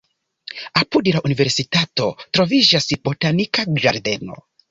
Apud la universitato troviĝas botanika ĝardeno.